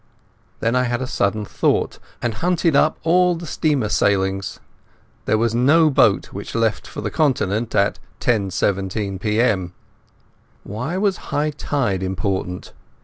Then I had a sudden thought, and hunted up all the steamer sailings. There was no boat which left for the Continent at 10.17 p.m. Why was high tide so important?